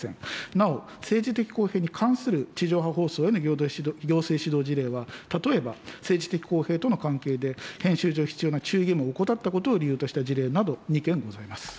なお政治的公平に関する、地上波放送への行政指導事例は、例えば政治的公平との関係で、編集上必要な注意義務を怠ったことを理由とした事例など、２件ございます。